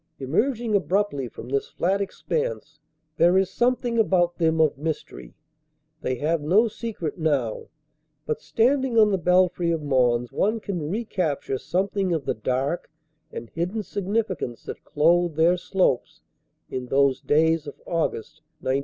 Emerging abruptly from this flat expanse there is something about them of mystery; they have no secret now, but standing on the belfry of Mons one can recapture something of the dark and hidden significance that clothed their slopes in those days of August, 1914.